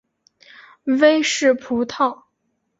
威氏葡萄